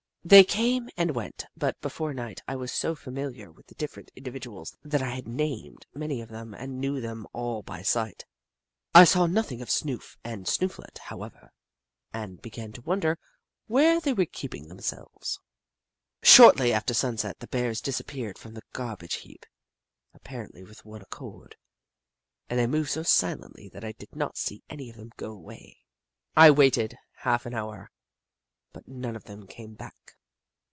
They came and went, but before night I was so familiar with the different individuals that I had named many of them and knew them all by sight. I saw nothing of Snoof and Snooflet, however, and began to wonder where they were keep ing themselves. Shortly after sunset, the Bears disappeared from the garbage heap, apparently with one accord. They moved so silently that I did not see any of them go away. I waited half an hour but none of them came back.